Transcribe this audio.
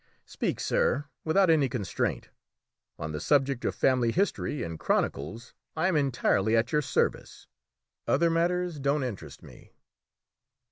"Speak, sir, without any constraint; on the subject of family history and chronicles I am entirely at your service. Other matters don't interest me."